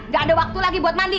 gak ada waktu lagi buat mandi